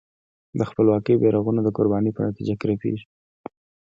د خپلواکۍ بېرغونه د قربانۍ په نتیجه کې رپېږي.